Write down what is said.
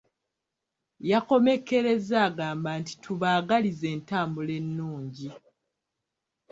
Yakomekereza agamba nti"tubaagalize entambula ennungi"